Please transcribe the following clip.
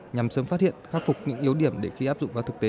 nhằm sớm phát hiện khắc phục những yếu điểm để khi áp dụng vào thực tế